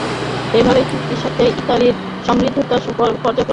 এইভাবে চুক্তির সাথে ইতালির সম্পৃক্ততার কার্যকরভাবে অবসান ঘটে।